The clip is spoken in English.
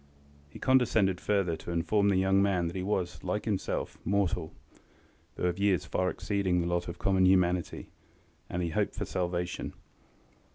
He condescended further to inform the young man that he was, like himself, mortal, though of years far exceeding the lot of common humanity, and that he hoped for salvation.